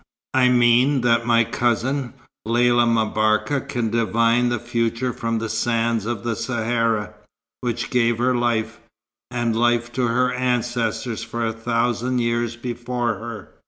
"I mean that my cousin, Lella M'Barka, can divine the future from the sand of the Sahara, which gave her life, and life to her ancestors for a thousand years before her.